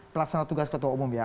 pelaksana tugas ketua umum ya